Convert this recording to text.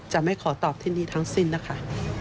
จะไม่ขอตอบที่ดีทั้งสิ้นนะคะ